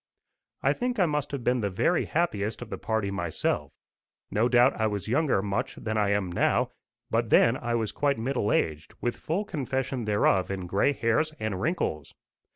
I think I must have been the very happiest of the party myself. No doubt I was younger much than I am now, but then I was quite middle aged, with full confession thereof in gray hairs and wrinkles.